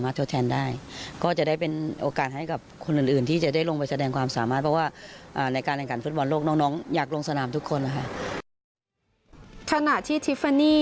ถนาที่ทิฟฟานี่